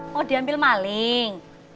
mau diambil maling